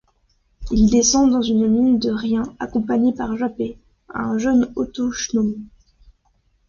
Il descend dans une mine de Rien accompagné par Japet, un jeune autochtone.